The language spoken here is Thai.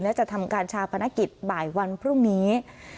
และจะทำการชาปนกิจบ่ายวันพรุ่งนี้